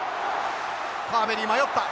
カーベリー迷った！